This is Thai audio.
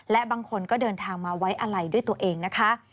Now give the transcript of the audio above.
และบางคนก็เดินทางมาไว้อะไรด้วยตัวเองนะคะ